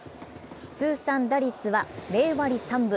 通算打率は０割３分。